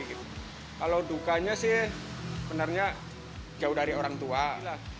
kalau dukanya sih sebenarnya jauh dari orang tua